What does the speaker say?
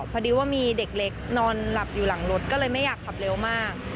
พอดีว่ามีเด็กเล็กนอนหลับอยู่หลังรถก็เลยไม่อยากขับเร็วมาก